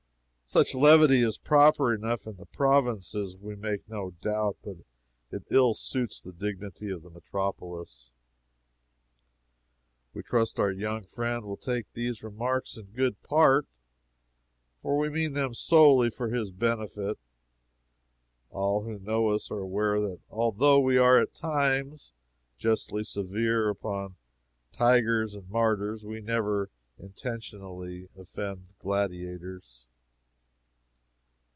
Such levity is proper enough in the provinces, we make no doubt, but it ill suits the dignity of the metropolis. We trust our young friend will take these remarks in good part, for we mean them solely for his benefit. All who know us are aware that although we are at times justly severe upon tigers and martyrs, we never intentionally offend gladiators.